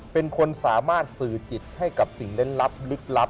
เป็นคนสามารถสื่อจิตให้กับสิ่งเล่นลับลึกลับ